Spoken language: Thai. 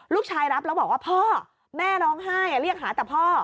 รับแล้วบอกว่าพ่อแม่ร้องไห้เรียกหาแต่พ่อ